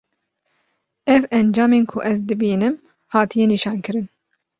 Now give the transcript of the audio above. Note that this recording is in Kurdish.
ev encamên ku ez dibînim hatiye nîşankirin;